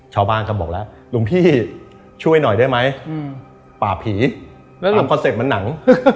ชาวบ้านก็บอกแล้วหลวงพี่ช่วยหน่อยได้ไหมป่าผีแล้วทำคอนเซ็ปต์มันหนัง